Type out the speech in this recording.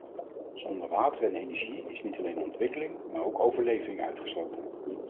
Zonder water en energie is niet alleen ontwikkeling, maar ook overleving uitgesloten.